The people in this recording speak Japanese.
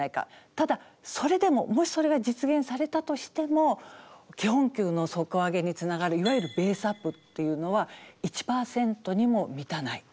ただそれでももしそれが実現されたとしても基本給の底上げにつながるいわゆるベースアップというのは１％にも満たない。